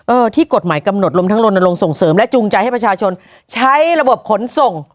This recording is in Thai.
ที่กฎหมายกำหนดรวมทั้งลนลงส่งเสริมและจูงใจให้ประชาชนใช้ระบบขนส่ง